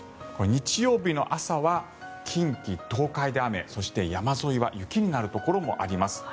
日曜日の朝は近畿、東海で雨そして、山沿いは雪になるところもあります。